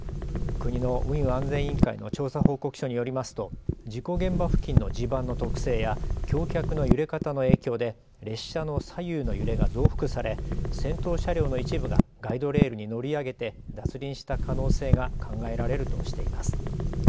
国の運輸安全委員会の調査報告書によりますと事故現場付近の地盤の特性や橋脚の揺れ方の影響で列車の左右の揺れが増幅され先頭車両の一部がガイドレールに乗り上げて脱輪した可能性が考えられるとしています。